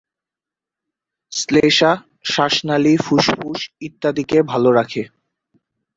শ্লেষ্মা শ্বাসনালি, ফুসফুস ইত্যাদিকে ভাল রাখে।